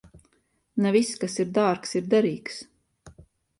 Ne viss, kas ir dārgs, ir derīgs.